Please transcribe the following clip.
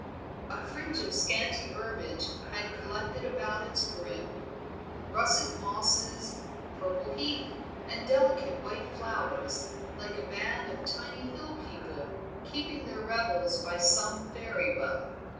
A fringe of scanty herbage had collected about its brim, russet mosses, purple heath, and delicate white flowers, like a band of tiny hill people keeping their revels by some fairy well.